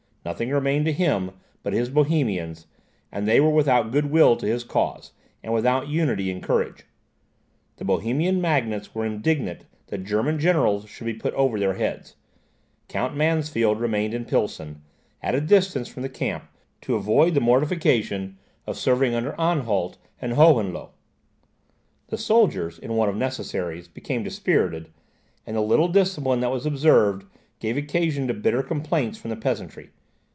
Nothing remained to him but his Bohemians; and they were without goodwill to his cause, and without unity and courage. The Bohemian magnates were indignant that German generals should be put over their heads; Count Mansfeld remained in Pilsen, at a distance from the camp, to avoid the mortification of serving under Anhalt and Hohenlohe. The soldiers, in want of necessaries, became dispirited; and the little discipline that was observed, gave occasion to bitter complaints from the peasantry.